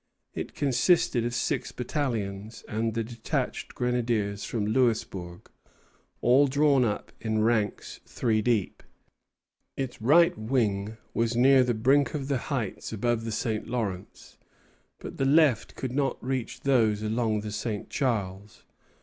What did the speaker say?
It consisted of six battalions and the detached grenadiers from Louisbourg, all drawn up in ranks three deep. Its right wing was near the brink of the heights along the St. Lawrence; but the left could not reach those along the St. Charles.